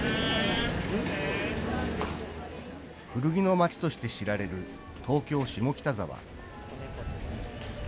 古着の街として知られる東京・下北沢。